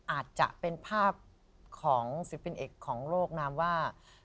อาจจะเป็นภาพของศิลปินเอกของโลกนามว่า